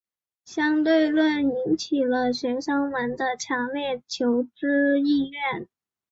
相对论引起了学生们的强烈求知意愿。